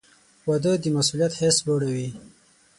• واده د مسؤلیت حس لوړوي.